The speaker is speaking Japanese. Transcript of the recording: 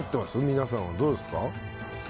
皆さんはどうですか？